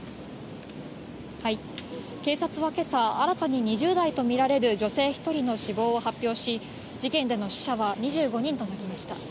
警察は今朝、新たに２０代とみられる女性１人の死亡を発表し、事件での死者は２５人となりました。